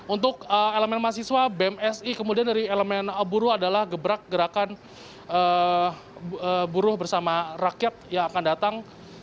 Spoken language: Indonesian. untuk elemen mahasiswa bmsi kemudian dari elemen buruh adalah gebrak gerakan buruh bersama rakyat yang akan datang